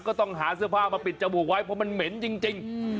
ก็ต้องหาเสื้อผ้ามาปิดจมูกไว้เพราะมันเหม็นจริง